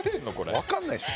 わかんないでしょ。